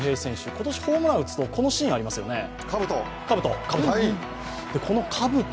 今年ホームランを打つと、このシーンありますよね、かぶと。